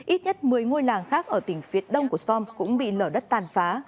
ít nhất một mươi ngôi làng khác ở tỉnh phía đông của som cũng bị lở đất tàn phá